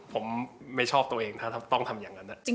ผมไม่ชอบตัวเองถ้าต้องทำอย่างนั้น